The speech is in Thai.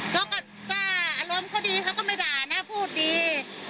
เขาก็ป้าอารมณ์เขาดีเขาก็ไม่ด่านะพูดดี